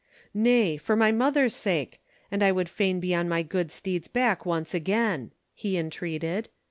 "Nay, for my mother's sake! And I would fain be on my good steed's back once again!" he entreated.